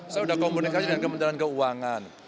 saya sudah komunikasi dengan kementerian keuangan